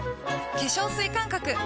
化粧水感覚！